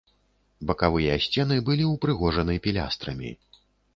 Бакавыя сцены былі ўпрыгожаны пілястрамі.